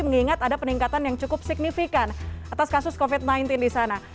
mengingat ada peningkatan yang cukup signifikan atas kasus covid sembilan belas di sana